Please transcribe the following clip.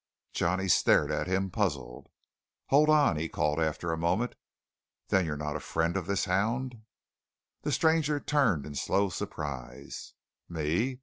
Johnny stared at him puzzled. "Hold on!" he called, after a moment. "Then you're not a friend of this Hound?" The stranger turned in slow surprise. "Me?